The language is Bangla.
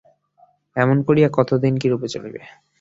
এমন করিয়া কতদিন কিরূপে চলিবে।